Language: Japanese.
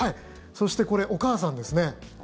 そしてこれ、お母さんですね。